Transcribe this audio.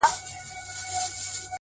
ما وېل سفر کومه ځمه او بیا نه راځمه-